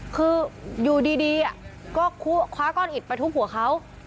คืออยู่ดีก็คว้าก้อนอิดไปทุบหัวเขา